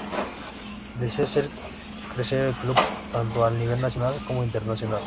Desea hacer crecer el club, tanto al nivel nacional como internacional.